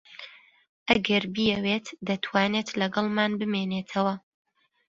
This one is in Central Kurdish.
ئەگەر بیەوێت دەتوانێت لەگەڵمان بمێنێتەوە.